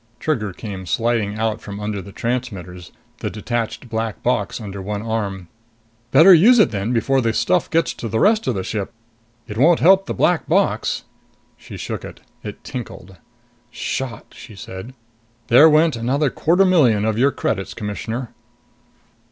Trigger came sliding out from under the transmitters, the detached black box under one arm. "Better use it then before the stuff gets to the rest of the ship. It won't help the black box." She shook it. It tinkled. "Shot!" she said. "There went another quarter million of your credits, Commissioner."